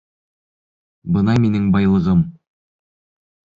— Бына минең байлығым!